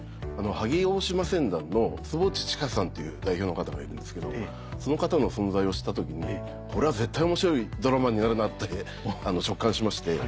萩大島船団の坪内知佳さんという代表の方がいるんですけどその方の存在を知った時にこれは絶対面白いドラマになるなって直感しまして。